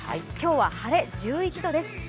今日は晴れ、１１度です。